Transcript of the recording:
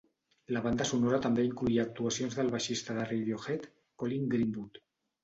La banda sonora també incloïa actuacions del baixista de Radiohead Colin Greenwood.